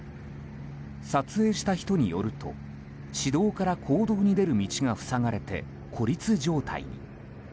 撮影した人によると私道から公道に出る道が塞がれて孤立状態に。